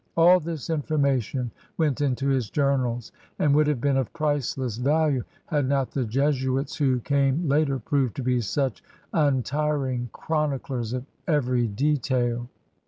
All this inform ation went into his journals and would have been of priceless value had not the Jesuits who came later proved to be such untiring chroniclers of every detail.